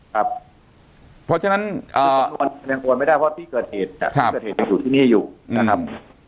เพราะฉะนั้นทุกสำนวนยังควรไม่ได้เพราะที่เกิดเหตุจากที่เกิดเหตุยังอยู่ที่นี่อยู่นะครับ